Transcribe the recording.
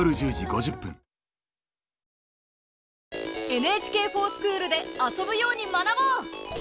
「ＮＨＫｆｏｒＳｃｈｏｏｌ」で遊ぶように学ぼう！